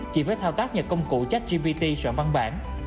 chỉ với thao tác nhờ công cụ check gpt soạn văn bản